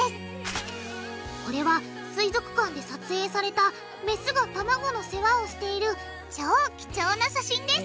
これは水族館で撮影されたメスが卵の世話をしている超貴重な写真です